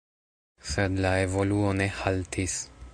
Sed la evoluo ne haltis.